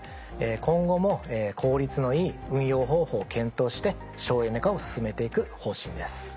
今後も効率のいい運用方法を検討して省エネ化を進めて行く方針です。